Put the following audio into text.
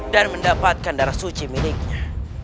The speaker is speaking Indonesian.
dan mendapatkan darah suci miliknya